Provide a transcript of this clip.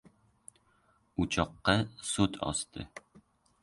O‘choqqa sut osdi.